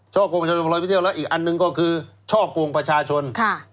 ช่อกงประชาชนอีกอันหนึ่งก็คือช่อกงประชาชน